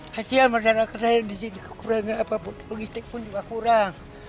kasihan masyarakat saya disini kurangnya apa pun logistik pun juga kurang